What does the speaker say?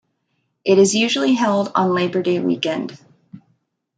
It is usually held on Labor Day weekend.